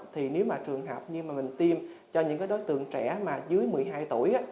thì nếu mà trường hợp như mà mình tiêm cho những cái đối tượng trẻ mà dưới một mươi hai tuổi